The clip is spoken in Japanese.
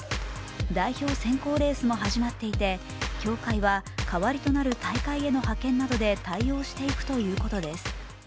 代表選考レースも始まっていて、協会は代わりとなる大会への派遣などで対応していくということです。